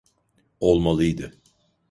Olmalıydı.